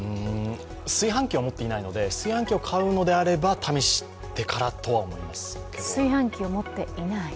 炊飯器を持っていないので炊飯器を買うのであれば試してからとは思いますけど炊飯器持っていない？